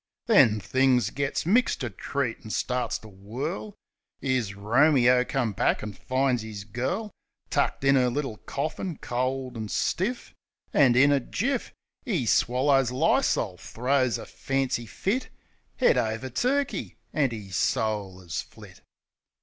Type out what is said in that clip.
Then things gits mixed a treat an' starts to whirl. 'Ere's Romeo comes back an' finds 'is girl Tucked in 'er little cofifing, cold an' stiff, An' in a jiff, 'E swallers lysol, throws a fancy fit, 'Ead over turkey, an' 'is soul 'as flit.